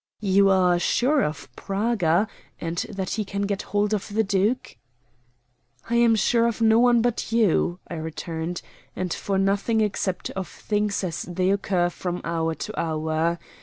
"You are sure of Praga, and that he can get hold of the duke?" "I am sure of no one but you," I returned; "and of nothing except of things as they occur from hour to hour.